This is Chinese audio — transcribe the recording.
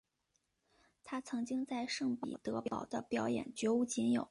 她曾经在圣彼得堡的表演绝无仅有。